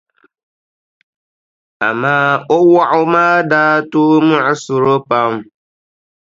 Amaa o wɔɣu maa daa tooi muɣisiri o pam.